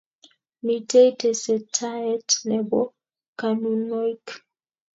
Mitei tesetaet nebo konunoik